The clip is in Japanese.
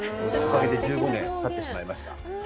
それで１５年たってしまいました。